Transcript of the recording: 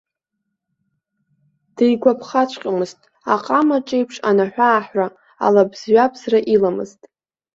Дигәаԥхаҵәҟьомызт, аҟама аҿеиԥш анаҳә-ааҳәра, алабзҩабзра иламызт.